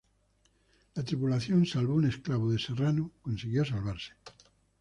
La tripulación, salvo un esclavo de Serrano, consiguió salvarse.